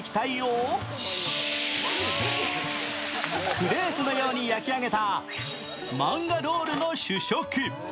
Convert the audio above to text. クレープのように焼き上げたマンガロールの主食。